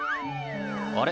あれ？